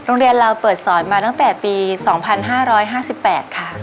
โรงเรียนเราเปิดสอนมาตั้งแต่ปี๒๕๕๘ค่ะ